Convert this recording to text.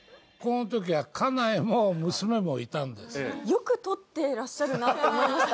よく撮ってらっしゃるなって思いました。